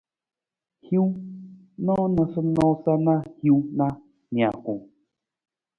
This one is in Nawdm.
Hin noosanoosa na hiwung na nijakung.